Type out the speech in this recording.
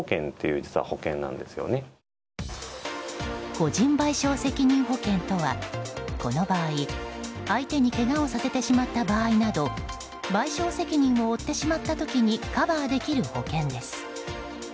個人賠償責任保険とはこの場合相手にけがをさせてしまった場合など賠償責任を負ってしまった時にカバーできる保険です。